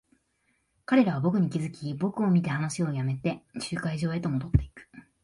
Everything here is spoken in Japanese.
彼らは僕に気づき、僕を見て話を止めて、集会所へと戻っていく。